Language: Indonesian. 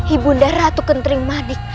ibu naratu kentering manik